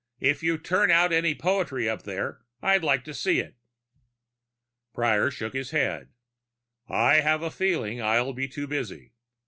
"If you turn out any poetry up there, I'd like to see it." Prior shook his head. "I have a feeling I'll be too busy.